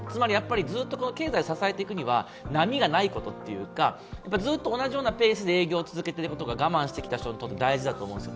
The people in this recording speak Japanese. ずっと経済を支えていくには波がないこと、同じペースで営業を続けていくことが我慢している人にとって大事だと思うんですよ。